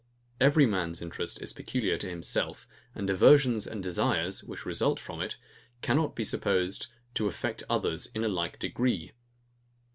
Every man's interest is peculiar to himself, and the aversions and desires, which result from it, cannot be supposed to affect others in a like degree.